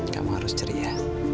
kamu harus ceria